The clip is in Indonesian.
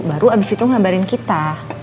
baru abis itu ngabarin kita